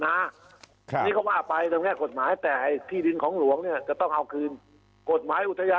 คันนี้ก็บ้ามแรงกฎหมายแต่ที่ดินของหลวงเนี่ยก็ต้องขายคืนกฎหมายอุธยา